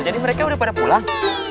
mereka udah pada pulang